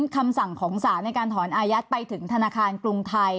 คำสั่งของศาลในการถอนอายัดไปถึงธนาคารกรุงไทย